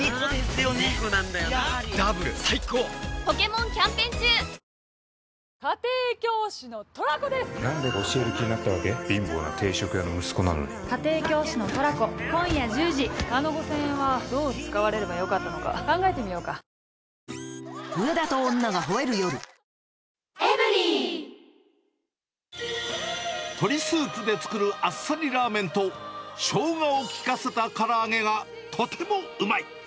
もしもしハチがみっつにナナみっつ鶏スープで作るあっさりラーメンと、しょうがを効かせたから揚げがとてもうまい。